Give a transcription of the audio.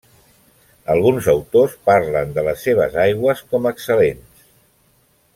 Alguns autors parlen de les seves aigües om excel·lents.